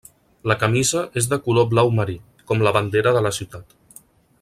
La camisa és de color blau marí, com la bandera de la ciutat.